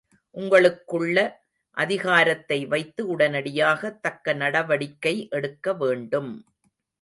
உங்களுக்குள்ள அதிகாரத்தை வைத்து உடனடியாக தக்க நடவடிக்கை எடுக்க வேண்டும்.